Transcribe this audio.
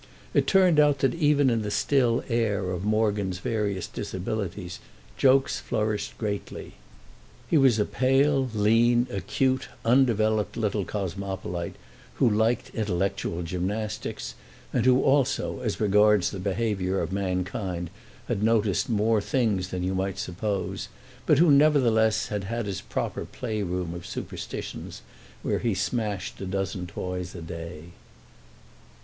It turned out that even in the still air of Morgan's various disabilities jokes flourished greatly. He was a pale lean acute undeveloped little cosmopolite, who liked intellectual gymnastics and who also, as regards the behaviour of mankind, had noticed more things than you might suppose, but who nevertheless had his proper playroom of superstitions, where he smashed a dozen toys a day.